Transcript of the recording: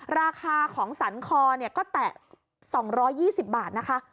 ราคาของสรรคอก็แตะ๒๒๐บาทนะคะ